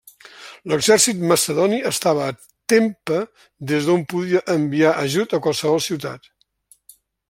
L'exèrcit macedoni estava a Tempe des d'on podia enviar ajut a qualsevol ciutat.